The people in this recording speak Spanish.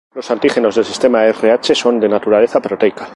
Los antígenos del sistema Rh son de naturaleza proteica.